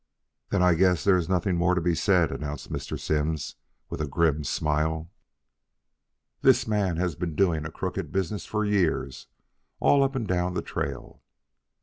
"Then I guess there is nothing more to be said," announced Mr. Simms, with a grim smile. "This man has been doing a crooked business for years, all up and down the trail.